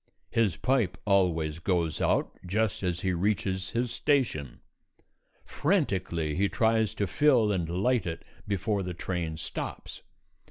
His pipe always goes out just as he reaches his station; frantically he tries to fill and light it before the train stops.